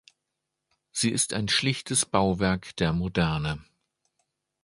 Sie ist ein schlichtes Bauwerk der Moderne.